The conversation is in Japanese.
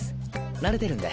慣れてるんで。